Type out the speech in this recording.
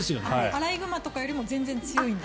アライグマとかよりも全然強いんだ。